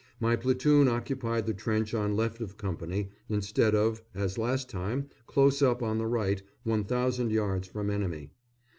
My platoon occupied the trench on left of company, instead of, as last time, close up on the right, 1000 yards from enemy.